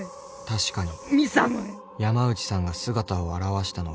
［確かに山内さんが姿を現したのは］